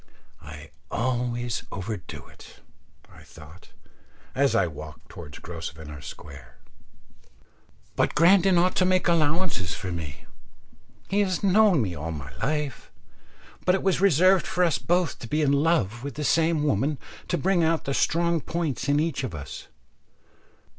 I always overdo it, I thought, as I walked towards Grosvenor Square, but Grandon ought to make allowances for me. He has known me all my life, but it was reserved for us both to be in love with the same woman to bring out the strong points in each of us.